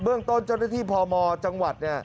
เบื้องต้นเจ้าหน้าที่พมจังหวัด